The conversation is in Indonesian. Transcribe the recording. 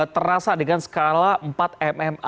terasa dengan skala empat mma